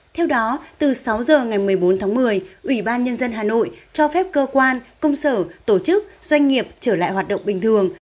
theo đó từ sáu giờ ngày một mươi bốn tháng một mươi ủy ban nhân dân hà nội cho phép cơ quan công sở tổ chức doanh nghiệp trở lại hoạt động bình thường